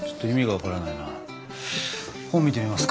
本見てみますか。